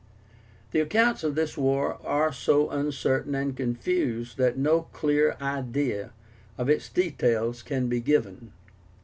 The accounts of this war are so uncertain and confused that no clear idea of its details can be given.